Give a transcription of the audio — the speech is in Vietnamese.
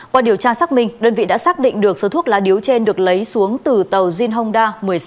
qua điều tra xác minh đơn vị đã xác định được số thuốc lá điếu trên được lấy xuống từ tàu zinhonda một mươi sáu